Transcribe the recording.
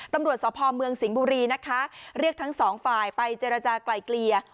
ตำรวจสพเมืองสิงห์บุรีนะคะเรียกทั้งสองฝ่ายไปเจรจากลายเกลี่ย